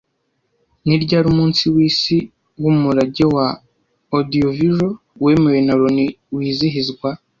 Ni ryari Umunsi w'isi w’umurage wa Audiovisual, wemewe na Loni wizihizwa